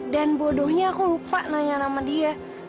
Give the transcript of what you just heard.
bodohnya aku lupa nanya nama dia